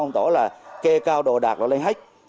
tổ là kê cao đồ đạc và lên hết